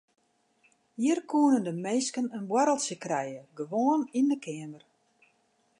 Hjir koenen de minsken in boarreltsje krije gewoan yn de keamer.